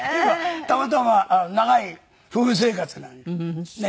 たまたま長い夫婦生活なんでね。